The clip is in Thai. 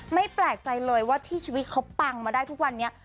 แปลกใจเลยว่าที่ชีวิตเขาปังมาได้ทุกวันนี้